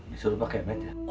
disuruh pakai meja